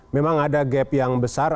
memang ada gap yang besar